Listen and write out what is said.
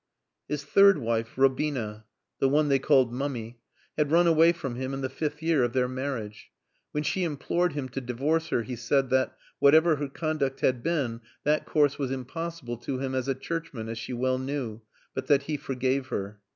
His third wife, Robina (the one they called Mummy), had run away from him in the fifth year of their marriage. When she implored him to divorce her he said that, whatever her conduct had been, that course was impossible to him as a churchman, as she well knew; but that he forgave her.